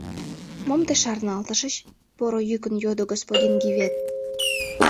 — Мом тый шарналтышыч? — поро йӱкын йодо господин Гивет.